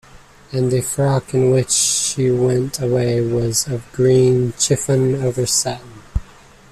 And the frock in which she went away was of green chiffon over satin.